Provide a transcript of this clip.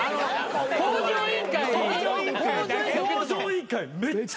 『向上委員会』めっちゃ。